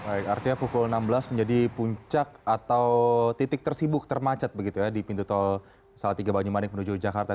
baik artinya pukul enam belas menjadi puncak atau titik tersibuk termacet begitu ya di pintu tol salatiga banyumanik menuju jakarta